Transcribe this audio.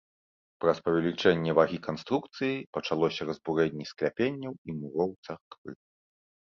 Праз павелічэнне вагі канструкцыі пачалося разбурэнне скляпенняў і муроў царквы.